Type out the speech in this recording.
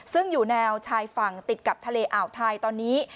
ซึ่งอยู่แนวชายฝั่งติดกับทะเลอ่าวไทยตอนนี้